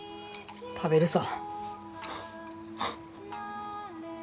食べるさ。